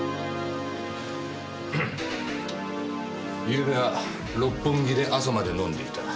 「ゆうべは六本木で朝まで飲んでいた」